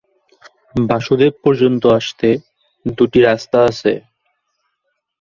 বাসুদেব পর্যন্ত আসতে দুটি রাস্তা আছে।